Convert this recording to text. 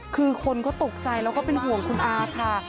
คือคนก็ตกใจแล้วก็เป็นห่วงคุณอาค่ะ